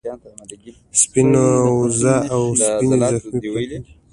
سپينه وزه او سپی زخمي پراته دي.